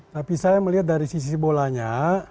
tapi saya melihat dari sisi bolanya